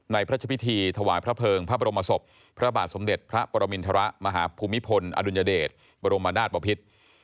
พระเจ้าพิธีถวายพระเภิงพระบรมศพพระบาทสมเด็จพระปรมินทรมาฮภูมิพลอดุลยเดชบรมนาศบพิษ